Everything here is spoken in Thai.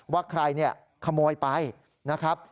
ว่าใครขโมยไปนะครับ